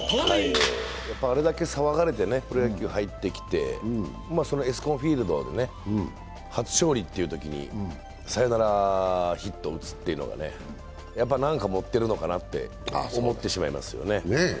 あれだけ騒がれてプロ野球に入ってきてそのＥＳＣＯＮＦＩＥＬＤで初勝利というときにサヨナラヒット打つっていうのは何か持ってるのかなって思いますよね。